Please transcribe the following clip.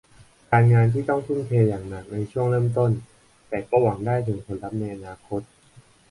การงานที่ต้องทุ่มเทอย่างหนักในช่วงเริ่มต้น แต่ก็หวังได้ถึงผลลัพธ์ในอนาคต